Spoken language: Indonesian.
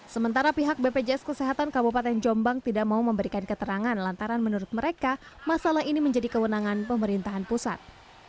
sementara pihak bpjs kesehatan kabupaten jombang tidak mau memberikan keterangan lantaran menurut mereka masalah ini menjadi kewenangan pemerintahan pusat